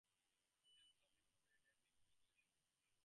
It has a sloping pavement in red brick with limestone geometrical lines.